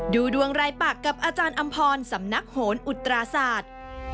ดูดวงรายปากกับอาจารย์อำพรสำนักโหนอุตราศาสตร์